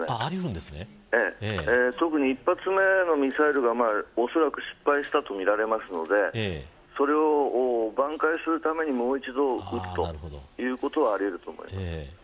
特に１発目のミサイルがおそらく失敗したとみられるのでそれを挽回するためにもう一度撃つということはあり得ると思います。